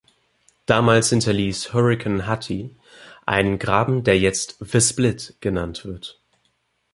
Damals hinterließ Hurrikan Hattie einen Graben, der jetzt „The Split“ genannt wird.